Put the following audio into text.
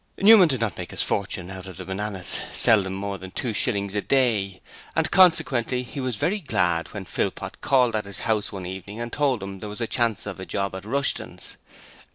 Newman did not make his fortune out of the bananas seldom more than two shillings a day and consequently he was very glad when Philpot called at his house one evening and told him there was a chance of a job at Rushton's.